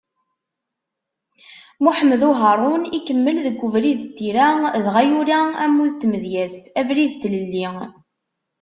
Muḥemmed Uharun, ikemmel deg ubrid n tira, dɣa yura ammud n tmedyazt “Abrid n tlelli”.